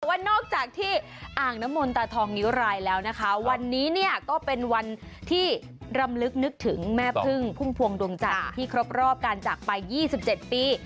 แต่ว่านอกจากที่อ่างน้ำมนตาทองนิ้วรายแล้วนะคะวันนี้เนี่ยก็เป็นวันที่รำลึกนึกถึงแม่พึ่งพุ่มพวงดวงจันทร์ที่ครบรอบการจากไป๒๗ปี